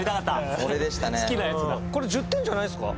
これ１０点じゃないんですか？